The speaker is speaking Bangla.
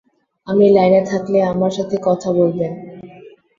আমি লাইনে থাকলে আমর সাথে কথা বলবেন।